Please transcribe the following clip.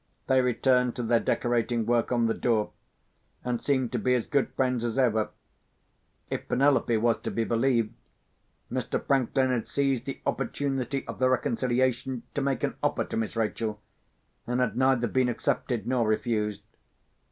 They returned to their decorating work on the door, and seemed to be as good friends as ever. If Penelope was to be believed, Mr. Franklin had seized the opportunity of the reconciliation to make an offer to Miss Rachel, and had neither been accepted nor refused.